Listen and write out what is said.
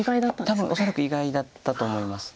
多分恐らく意外だったと思います。